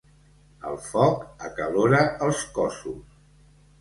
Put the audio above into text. El foc acalora els cossos.